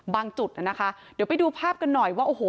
จุดน่ะนะคะเดี๋ยวไปดูภาพกันหน่อยว่าโอ้โห